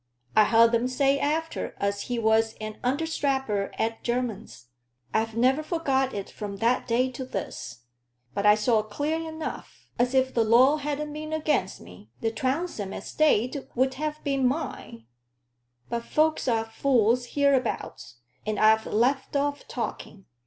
I heard 'em say after, as he was an understrapper at Jermyn's. I've never forgot it from that day to this. But I saw clear enough, as if the law hadn't been again' me, the Trounsem estate 'ud ha' been mine. But folks are fools hereabouts, and I've left off talking.